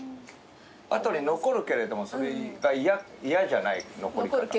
後に残るけれどもそれが嫌じゃない残り方。